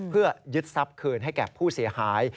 เพื่อยึดทรัพย์คืนให้แก่ผู้เสียหาย